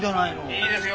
いいですよ。